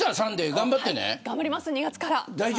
頑張ります、２月から。